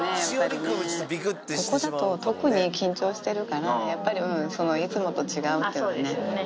ここだと特に、緊張してるから、やっぱり、いつもと違うっていうのでね。